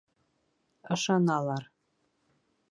Ышаналар.